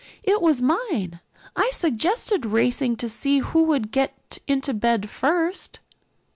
"It was mine. I suggested racing to see who would get into bed first."